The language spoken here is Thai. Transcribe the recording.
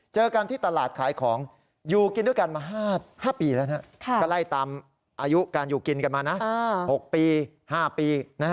เจอกันที่ตลาดขายของอยู่กินด้วยกันมา๕ปีแล้วก็ไล่ตามอายุการอยู่กินกันมานะ๖ปี๕ปี